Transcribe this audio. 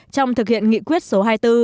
trong thực hiện nghị quyết số hai mươi bốn